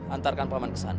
antarkan paman ke sana